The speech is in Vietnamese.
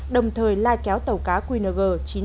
đồng thời lai kéo tàu cá qng